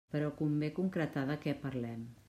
Però convé concretar de què parlem.